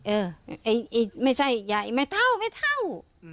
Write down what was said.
เออไม่ใช่ยายไม่เท่าไม่เท่า